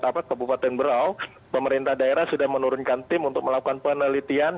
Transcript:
kabupaten berau pemerintah daerah sudah menurunkan tim untuk melakukan penelitian